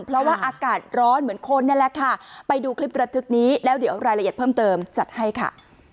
เพราะว่าอากาศร้อนเหมือนคนนั่นแหละค่ะไปดูคลิประทึกนี้แล้วเดี๋ยวรายละเอียดเพิ่มเติมจัดให้ค่ะ